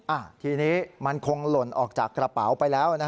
อ่ะทีนี้มันคงหล่นออกจากกระเป๋าไปแล้วนะฮะ